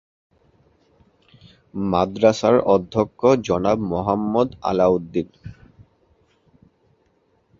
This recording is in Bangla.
মাদ্রাসার অধ্যক্ষ জনাব মোহাম্মদ আলাউদ্দীন।